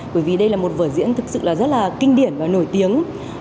bởi vì đây là một vở diễn thật sự rất là kinh điển và nổi tiếng